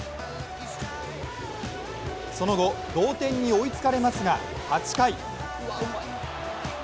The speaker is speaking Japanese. その後、同点に追いつかれますが、８回。